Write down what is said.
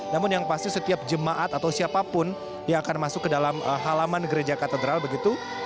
namun yang pasti setiap jemaat atau siapapun yang akan masuk ke dalam halaman gereja katedral begitu